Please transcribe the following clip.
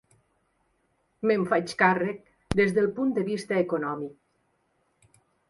Me'n faig càrrec des del punt de vista econòmic.